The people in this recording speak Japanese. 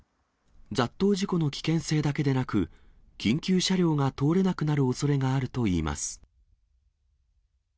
雑踏事故の危険性だけでなく、緊急車両が通れなくなるおそれがあるといいます。